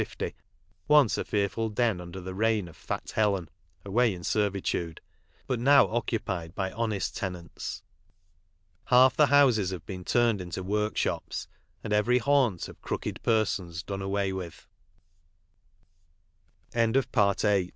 50, once a fearful den under the reign of Fat Helen (away in servitude), but now occupied by honest tenants. Half the houses have been turned into workshops, and every haunt of "crooked" pe